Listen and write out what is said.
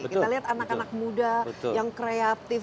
kita lihat anak anak muda yang kreatif